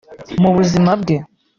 Mu buzima bwe